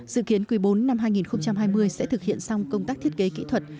dự kiến quý bốn năm hai nghìn hai mươi sẽ thực hiện xong công tác thiết kế kỹ thuật